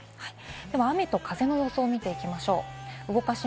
雨と風の様子を見ていきましょう。